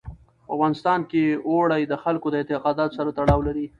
په افغانستان کې اوړي د خلکو د اعتقاداتو سره تړاو لري.